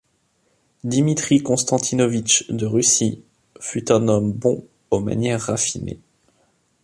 Dimitri Constantinovitch de Russie fut un homme bon aux manières raffinées.